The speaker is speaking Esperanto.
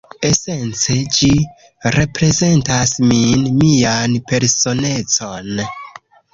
Esence, ĝi reprezentas min, mian personecon